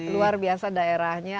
luar biasa daerahnya